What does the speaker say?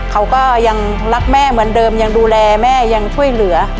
เขาก็ยังรักแม่เหมือนเดิมยังดูแลแม่ยังช่วยเหลือ